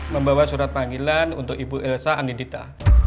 membawa surat panggilan untuk ibu elsa anindita